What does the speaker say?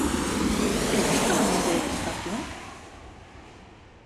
Existe un ambiente de crispación?